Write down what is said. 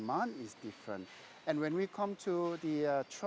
dan ketika kami datang ke platform software truk